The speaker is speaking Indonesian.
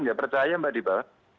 tidak percaya mbak diba